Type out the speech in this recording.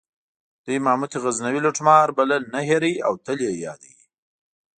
دوی محمود غزنوي لوټمار بلل نه هیروي او تل یې یادوي.